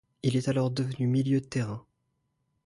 Il est alors devenu milieu de terrain.